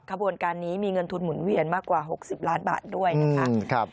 ขบวนการนี้มีเงินทุนหมุนเวียนมากกว่า๖๐ล้านบาทด้วยนะคะ